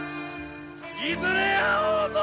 いずれ会おうぞ！